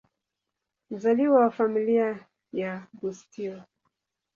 Mzaliwa wa Familia ya Bustill.